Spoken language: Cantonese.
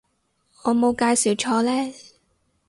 我冇介紹錯呢